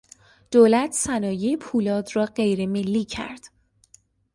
دولت صنایع پولاد را غیرملی کرد.